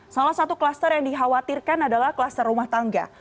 salah satu kluster yang dikhawatirkan adalah kluster rumah tangga